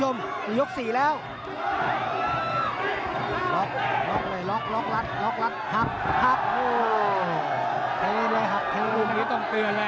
หรอต่อไปยกตรอยแล้วมัดปลาเดินเวลา้เพื่อค่อยแทงกับครับตักศีลา